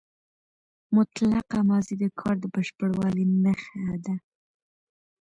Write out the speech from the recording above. مطلقه ماضي د کار د بشپړوالي نخښه ده.